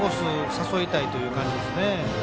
誘いたいという感じですね。